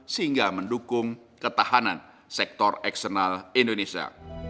sehingga mendukung ketahanan sektor eksternal indonesia